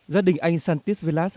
giá đình anh santis velas